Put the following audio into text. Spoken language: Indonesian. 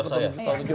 itu komputer saya